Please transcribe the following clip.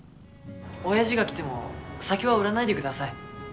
おやじが来ても酒は売らないでください。